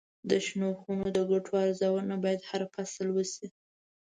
د شنو خونو د ګټو ارزونه باید هر فصل کې وشي.